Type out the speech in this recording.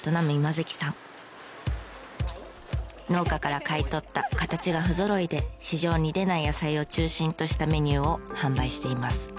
農家から買い取った形が不ぞろいで市場に出ない野菜を中心としたメニューを販売しています。